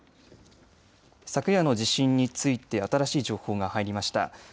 昨夜の地震について新しい情報が入りました。